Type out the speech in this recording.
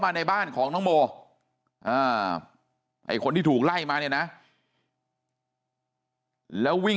ในบ้านของน้องโมไอ้คนที่ถูกไล่มาเนี่ยนะแล้ววิ่ง